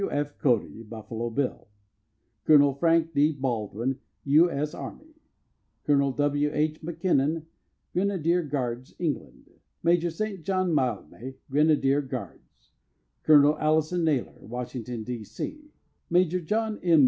W. F. Cody (Buffalo Bill); Col. Frank D. Baldwin, U. S. Army; Col. W. H. MacKinnon, Grenadier Guards, England; Maj. St. John Mildmay, Grenadier Guards; Col. Allison Nailor, Washington, D. C.; Maj. John M.